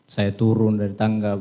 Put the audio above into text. saya turun dari tangga